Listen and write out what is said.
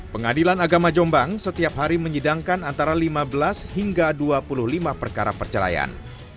pengadilan agama jombang setiap hari menyidangkan antara lima belas hingga dua puluh lima perkara perceraian